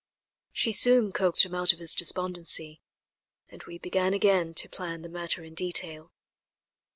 She soon coaxed him out of his despondency, and we began again to plan the matter in detail.